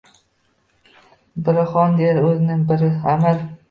Biri xon der o‘zni, birisi amir.